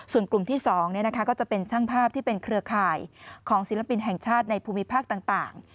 ส่วนกลุ่มที่๒ก็จะเป็นช่างภาพที่เป็นเครือข่ายของศิลปินแห่งชาติในภูมิภาคต่าง